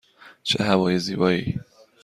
چه هوای زیبایی!